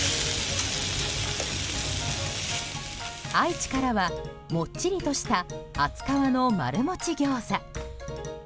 愛知からは、もっちりとした厚皮の丸もち餃子。